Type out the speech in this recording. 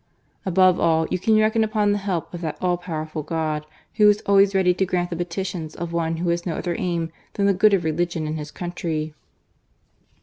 Above all, you can reckon upon the help of that all powerful God Who is always ready to grant the petitions of one who has no other aim than the good of religion and his country."